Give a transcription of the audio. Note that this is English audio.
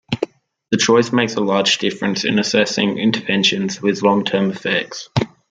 The choice makes a large difference in assessing interventions with long-term effects.